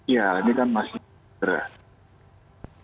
ya ini kan masih berat